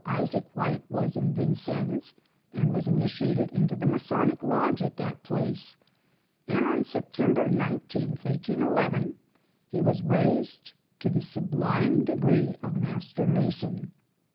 Isaac White was in Vincennes and was initiated into the Masonic lodge at that place; and on Sept. 19, 1811, he was raised to the sublime degree of master Mason.